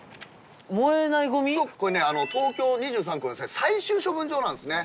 そうこれ東京２３区の最終処分場なんですね。